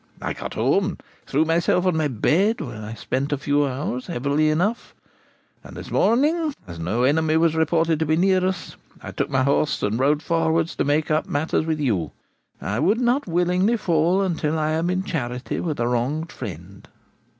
I got home and threw myself on my bed, where I spent a few hours heavily enough; and this morning, as no enemy was reported to be near us, I took my horse and rode forward to make up matters with you. I would not willingly fall until I am in charity with a wronged friend.'